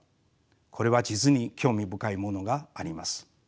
これは実に興味深いものがあります。